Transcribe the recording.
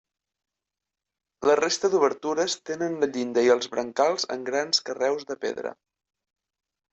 La resta d'obertures tenen la llinda i els brancals en grans carreus de pedra.